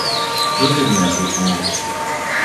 รู้สึกเหมือนถูกมอง